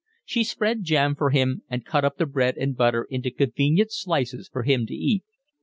She spread jam for him and cut up the bread and butter into convenient slices for him to eat.